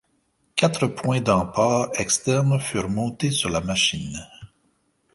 Quatre points d'emport externes furent montés sur la machine.